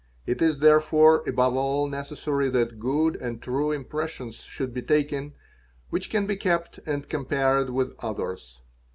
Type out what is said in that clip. It is therefore above all necessary that good and true impressions should be taken which an be kept and compared with others.